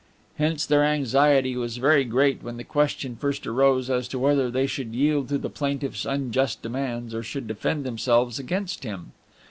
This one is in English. Hence their anxiety was very great when the question first arose as to whether they should yield to the plaintiff's unjust demands, or should defend themselves against him.